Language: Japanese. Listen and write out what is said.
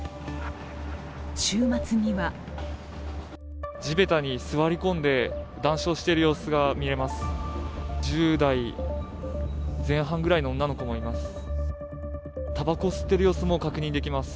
週末には地べたに座り込んで談笑している様子が見えます。